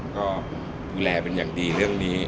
ก็แบรนด์เป็นอย่างดีเรื่องนี้